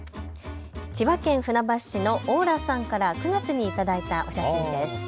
千葉県船橋市のＡＵＲＡさんから９月に頂いたお写真です。